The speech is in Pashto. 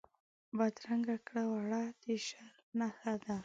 بدرنګه کړه وړه د شر نښه ده